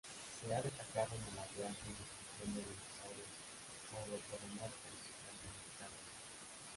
Se ha destacado en el hallazgo y descripción de dinosaurios sauropodomorfos norteamericanos.